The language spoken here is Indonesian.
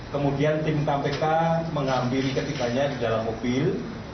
kemudian tim kpk menghampiri ketiganya di dalam mobil